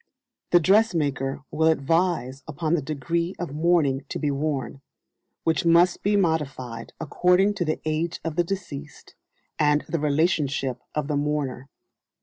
The dressmaker will advise upon the "degree" of mourning to be worn, which must be modified according to the age of the deceased, and the relationship of the mourner.